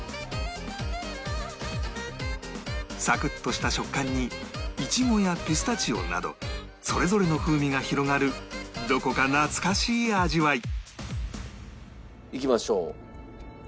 サクッとした食感にイチゴやピスタチオなどそれぞれの風味が広がるどこか懐かしい味わいいきましょう。